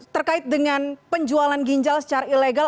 terkait dengan penjualan ginjal secara ilegal